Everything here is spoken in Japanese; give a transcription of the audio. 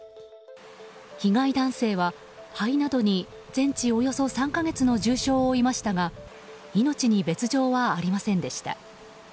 被害男性は肺などに全治およそ３か月の重傷を負いましたが命に別条はありませんでした。